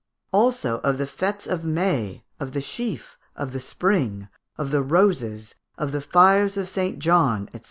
Also of the fêtes of May, of the sheaf, of the spring, of the roses, of the fires of St. John, &c.